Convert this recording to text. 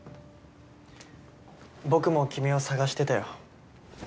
僕も君を捜してたよ